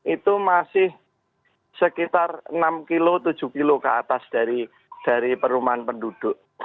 itu masih sekitar enam kilo tujuh kilo ke atas dari perumahan penduduk